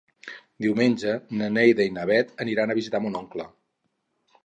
Diumenge na Neida i na Bet aniran a visitar mon oncle.